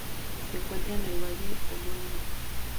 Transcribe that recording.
Se encuentra en el valle homónimo.